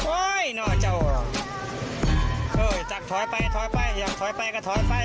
โอ้ยน่ะเจ้าเออจักรถอยไปถอยไปอยากถอยไปก็ถอยไปเอา